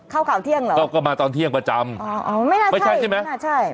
เข้าข่าวเที่ยงเหรอก็ก็มาตอนเที่ยงประจำอ๋อไม่น่าใช่ไม่ใช่ใช่ไหม